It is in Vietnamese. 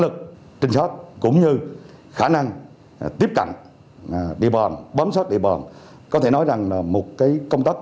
lực trinh sát cũng như khả năng tiếp cận địa bòn bấm sót địa bòn có thể nói rằng là một công tác